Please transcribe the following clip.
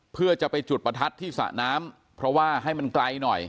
เพื่อจะไปจุดประทัดที่สระน้ำเพราะว่าให้มันไกลหน่อย